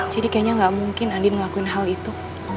jadi kayaknya gak mungkin andin ngelakuin hal itu